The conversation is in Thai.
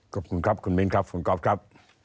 ขอบคุณครับคุณมิ้นครับคุณก๊อฟครับ